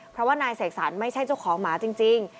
เพราะว่านายเสกสรรไม่ใช่เจ้าของหมาจริง